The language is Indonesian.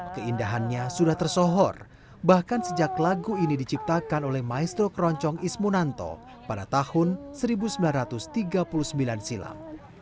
keindahannya sudah tersohor bahkan sejak lagu ini diciptakan oleh maestro keroncong ismunanto pada tahun seribu sembilan ratus tiga puluh sembilan silam